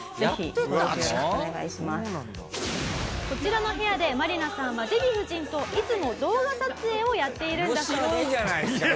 「こちらの部屋でマリナさんはデヴィ夫人といつも動画撮影をやっているんだそうです」